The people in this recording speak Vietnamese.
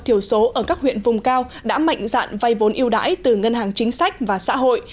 thiểu số ở các huyện vùng cao đã mạnh dạn vay vốn yêu đãi từ ngân hàng chính sách và xã hội